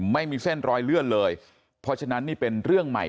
ไม่มีเส้นรอยเลื่อนเลยเพราะฉะนั้นนี่เป็นเรื่องใหม่